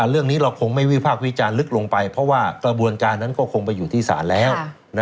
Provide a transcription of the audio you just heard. เรื่องนี้เราคงไม่วิพากษ์วิจารณ์ลึกลงไปเพราะว่ากระบวนการนั้นก็คงไปอยู่ที่ศาลแล้ว